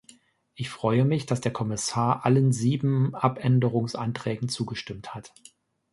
Ich freue mich, dass der Kommissar allen sieben Abänderungsanträgen zugestimmt hat.